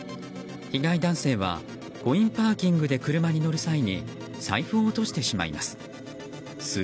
被害男性はコインパーキングで車に乗る際に財布を落としてしまいます。